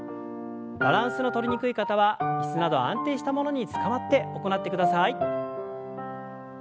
バランスのとりにくい方は椅子など安定したものにつかまって行ってください。